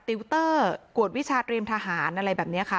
ติวเตอร์กวดวิชาเตรียมทหารอะไรแบบนี้ค่ะ